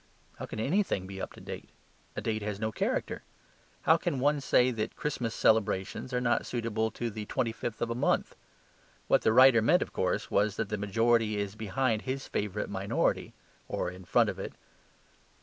How can anything be up to date? a date has no character. How can one say that Christmas celebrations are not suitable to the twenty fifth of a month? What the writer meant, of course, was that the majority is behind his favourite minority or in front of it.